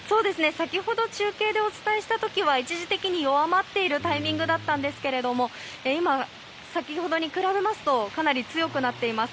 先ほど中継でお伝えした時は一時的に弱まっているタイミングだったんですけども先ほどに比べますとかなり強くなっています。